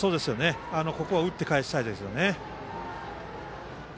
ここは打ってかえしたいですよね